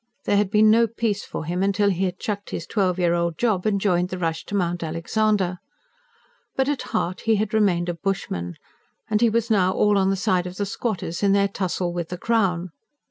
There had been no peace for him till he had chucked his twelve year old job and joined the rush to Mount Alexander. But at heart he had remained a bushman; and he was now all on the side of the squatters in their tussle with the Crown.